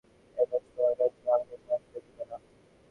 এ বাক্স তোমার কাছে আমাকে নিয়ে আসতে দিলে না!